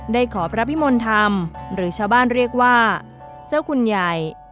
ขอพระพิมลธรรมหรือชาวบ้านเรียกว่าเจ้าคุณใหญ่